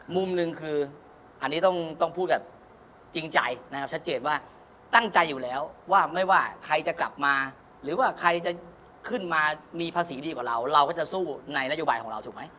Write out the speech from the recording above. มุมหนึ่งคืออันนี้ต้องพูดแบบจริงใจนะครับชัดเจนว่าตั้งใจอยู่แล้วว่าไม่ว่าใครจะกลับมาหรือว่าใครจะขึ้นมามีภาษีดีกว่าเราเราก็จะสู้ในนโยบายของเราถูกไหม